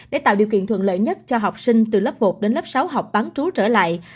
để tạo điều kiện thuận lợi nhất cho học sinh từ lớp một đến lớp sáu học bán trú trở lại